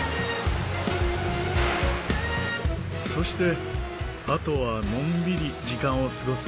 そしてあとはのんびり時間を過ごす事です。